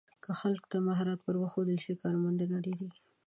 که خلکو ته مهارتونه ور وښودل شي، کارموندنه ډېریږي.